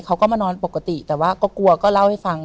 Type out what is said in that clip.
เขาก็มานอนปกติแต่ว่าก็กลัวก็เล่าให้ฟัง